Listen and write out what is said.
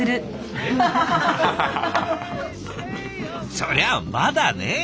そりゃまだねえ？